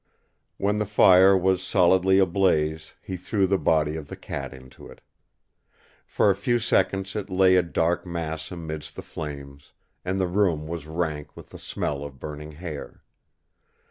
When the fire was solidly ablaze, he threw the body of the cat into it. For a few seconds it lay a dark mass amidst the flames, and the room was rank with the smell of burning hair.